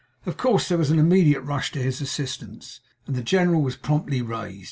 Of course there was an immediate rush to his assistance; and the general was promptly raised.